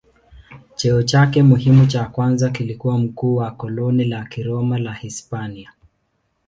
Cheo chake muhimu cha kwanza kilikuwa mkuu wa koloni la Kiroma la Hispania.